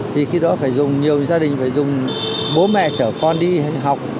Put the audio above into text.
thì khi đó phải dùng nhiều gia đình phải dùng bố mẹ chở con đi học